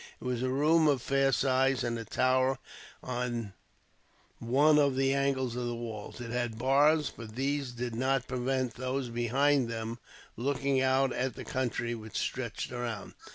It was a room of fair size, in a tower on one of the angles of the walls. It had bars, but these did not prevent those behind them looking out at the country which stretched around.